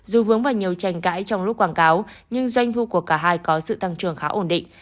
dù vướng vào nhiều tranh cãi trong lúc quảng cáo nhưng doanh thu của cả hai có sự tăng trưởng khá ổn định